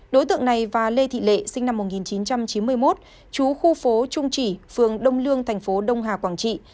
đối tượng này và lê thị lệ sinh năm một nghìn chín trăm chín mươi một chú khu phố trung chỉ phường đông lương thành phố đông hà quảng trị